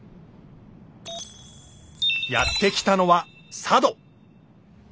やって来たのは佐渡。